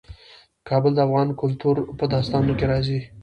کابل د افغان کلتور په داستانونو کې راځي.